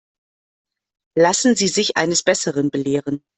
Lassen Sie sich eines Besseren belehren.